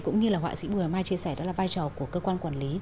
cũng như là họa sĩ bùi hoài mai chia sẻ đó là vai trò của cơ quan quản lý